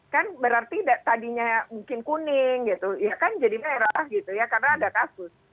kan berarti tadinya mungkin kuning gitu ya kan jadi merah gitu ya karena ada kasus